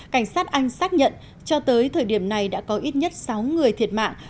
cảnh sát anh xác nhận cho tới thời điểm này đã có ít nhất sáu người thiệt mạng